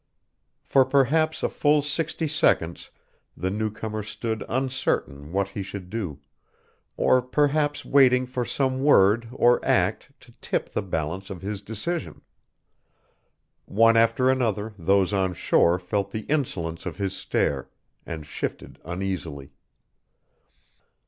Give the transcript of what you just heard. For perhaps a full sixty seconds the new comer stood uncertain what he should do, or perhaps waiting for some word or act to tip the balance of his decision. One after another those on shore felt the insolence of his stare, and shifted uneasily.